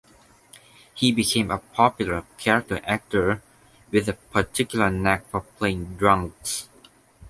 He became a popular character actor, with a particular knack for playing drunks.